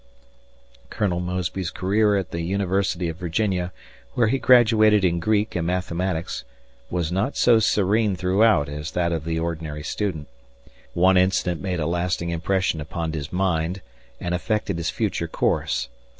[Colonel Mosby's career at the University of Virginia, where he graduated in Greek and mathematics, was not so serene throughout as that of the ordinary student. One incident made a lasting impression upon his mind and affected his future course.